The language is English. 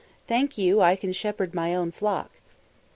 Thank you, I can shepherd my own flock!"